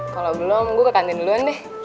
kalau belum gue ke kantin duluan nih